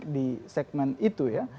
di segmen itu ya